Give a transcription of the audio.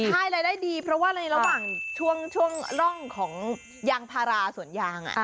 ใช่รายได้ดีเพราะว่าในระหว่างช่วงร่องของยางพาราสวนยาง